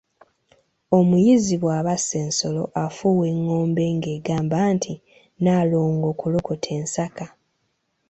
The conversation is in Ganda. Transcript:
Omuyizzi bw'aba asse ensolo afuuwa engombe ng'egamba nti; 'Nnaalongo kolokota ensaka'.